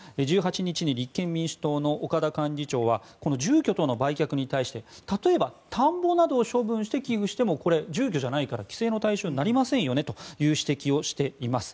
１８日に立憲民主党の岡田幹事長は住居等の売却に対して例えば、田んぼなどを処分して寄付しても住居じゃないから規制の対象になりませんよねと指摘をしています。